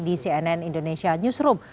di cnn indonesia newsroom